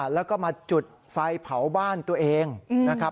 แล้วก็มาจุดไฟเผาบ้านตัวเองนะครับ